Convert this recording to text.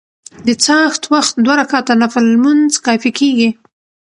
د څاښت وخت دوه رکعته نفل لمونځ کافي کيږي .